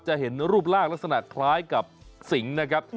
จะเห็นรูปร่างลักษณะคล้ายกับสิงนะครับ